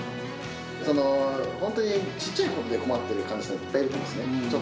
本当にちっちゃいことで困っている患者さん、いっぱいいるんですね。